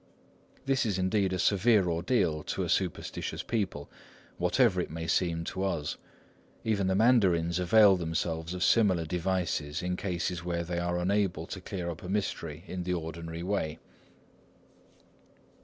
This is indeed a severe ordeal to a superstitious people, whatever it may seem to us. Even the mandarins avail themselves of similar devices in cases where they are unable to clear up a mystery in the ordinary way.